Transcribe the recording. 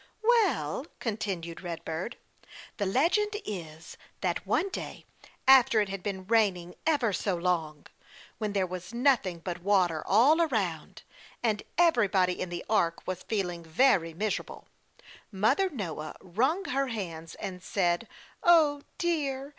"Well," continued Red Bird, "the legend is that one day, after it had been raining ever so long, when there was nothing but water all around and everybody in the ark was feeling very miserable, Mother Noah wrung her hands and said, 'Oh, dear!